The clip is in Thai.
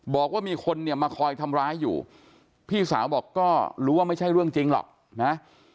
บอกว่ามีคนเนี่ยมาคอยทำร้ายอยู่พี่สาวบอกก็รู้ว่าไม่ใช่เรื่องจริงหรอกนะ